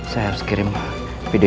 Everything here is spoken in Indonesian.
saya harus kirim videonya ke pak alam